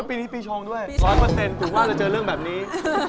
ปีนี้ปีชงด้วย๑๐๐ผมว่าจะเจอเรื่องแบบนี้